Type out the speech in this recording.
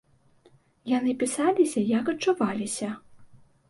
Яны пісаліся, як адчуваліся.